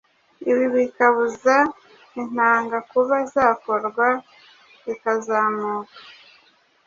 ibi bikabuza intanga kuba zakorwa zikazamuka.